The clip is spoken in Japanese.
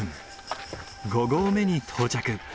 ５合目に到着。